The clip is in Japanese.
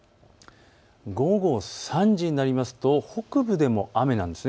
午後３時になりますと北部でも雨なんです。